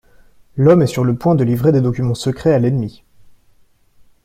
L'homme est sur le point de livrer des documents secrets à l'ennemi.